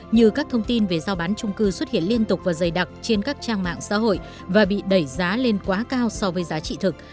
như các thông tin về giao bán trung cư xuất hiện liên tục và dày đặc trên các trang mạng xã hội và bị đẩy giá lên quá cao so với giá trị thực